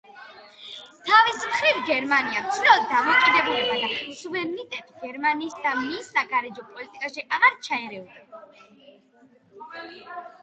თავის მხრივ, გერმანიამ ცნო დამოკიდებულება და სუვერენიტეტი გერმანიისა და მის საგარეო პოლიტიკაშიც აღარ ჩაერეოდა.